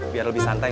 biar lebih sempurna